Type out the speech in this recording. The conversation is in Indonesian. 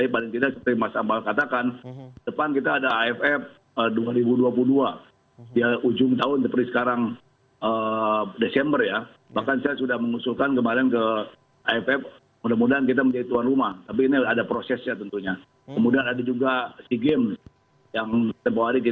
jadi kita terpakat bahwa striker kita memang minim dan hampir dikatakan tidak ada lagi